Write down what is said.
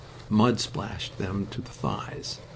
Mud splashed them to the thighs.